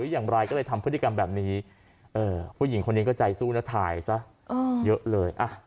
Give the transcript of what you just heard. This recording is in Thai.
อย่างไรก็เลยทำพฤติกรรมแบบนี้ผู้หญิงคนนี้ก็ใจสู้นะถ่ายซะเยอะเลย